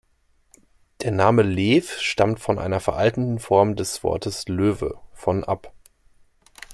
Der Name Lew stammt von einer veralteten Form des Wortes Löwe, von ab.